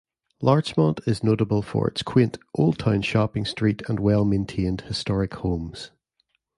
Larchmont is notable for its quaint old-town shopping street and well-maintained historic homes.